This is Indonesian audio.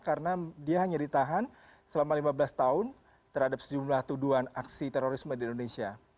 atau mungkin terhadap sejumlah tuduhan aksi terorisme di indonesia